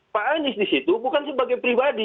pak anies di situ bukan sebagai pribadi